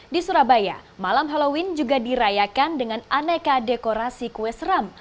di surabaya malam halloween juga dirayakan dengan aneka dekorasi kue seram